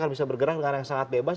bisa bergerak dengan yang sangat bebas